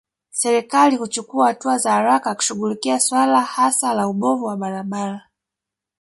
Serikali kuchukua hatua za haraka kushughulikia suala hasa la ubovu wa barabara